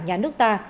nhà nước ta